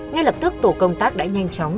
ngay lập tức tổ công tác đã nhanh chóng